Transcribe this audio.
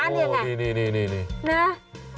อันนี้อย่างไร